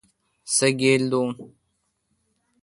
سو گیل دو۔